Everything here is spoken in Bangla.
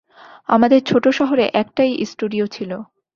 আমাদের ছোট শহরে একটাই স্টুডিও ছিল।